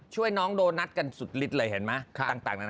ช่วยน้องโดนัสกันสุดฤทธิ์เลยเห็นมั้ย